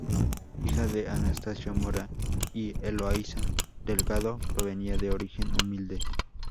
Hija de Anastasio Mora y Eloísa Delgado, provenía de origen humilde.